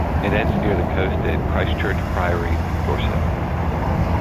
It ends near the coast at Christchurch Priory, Dorset.